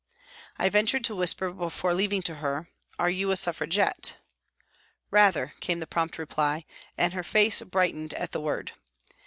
I ventured to whisper before leaving her, " Are you a Suffragette ?"" Rather," came the prompt reply, and her face brightened at the word.